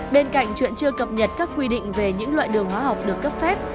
bên cạnh chuyện chưa cập nhật các quy định về những loại đường hóa học được cấp phép